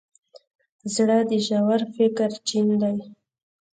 زړه د ژور فکر چین دی.